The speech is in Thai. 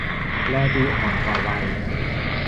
แลดูอ่อนกว่าวัย